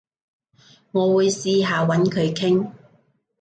我會試下搵佢傾